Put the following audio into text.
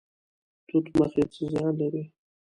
توت مخي څه زیان لري؟